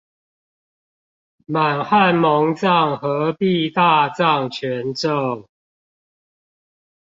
滿漢蒙藏合璧大藏全咒